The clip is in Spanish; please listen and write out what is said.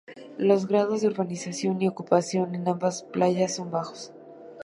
Los grados de urbanización y ocupación en ambas playas son bajos.